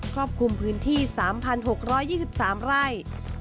รอบคลุมพื้นที่๓๖๒๓ไร่